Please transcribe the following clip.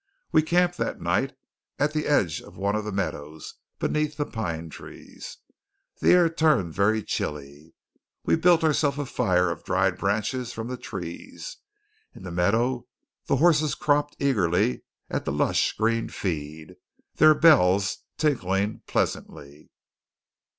We camped that night at the edge of one of the meadows, beneath pine trees. The air turned very chilly. We built ourselves a fire of dried branches from the trees. In the meadow the horses cropped eagerly at the lush green feed, their bells tinkling pleasantly.